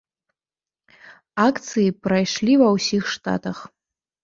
Акцыі прайшлі ва ўсіх штатах.